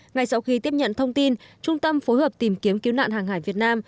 ngay sau khi tiếp nhận thông tin trung tâm phối hợp tìm kiếm cứu nạn hàng hải việt nam